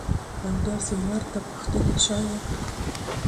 او داسې ورته پوښتنې شايد.